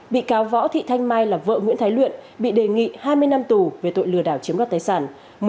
bị cáo võ thị thanh mai là vợ nguyễn thái luyện bị đề nghị hai mươi năm tù về tội lừa đảo chiếm đoạt tài sản